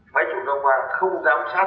máy chủ năm qua không giám sát